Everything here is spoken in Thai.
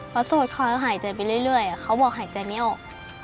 เพราะสมมติเขาหายใจไปเรื่อยเขาบอกหายใจไม่ออก